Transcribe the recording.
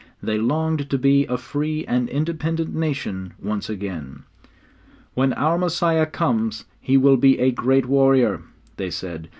They longed to be a free and independent nation once again. 'When our Messiah comes He will be a great warrior,' they said.